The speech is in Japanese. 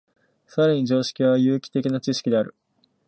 更に常識は有機的な知識である。